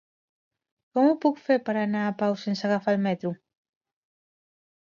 Com ho puc fer per anar a Pau sense agafar el metro?